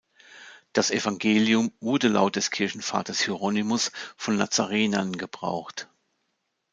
Das Evangelium wurde laut des Kirchenvaters Hieronymus von „Nazarenern“ gebraucht.